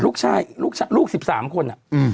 ลูกชายลูกชายลูก๑๓คน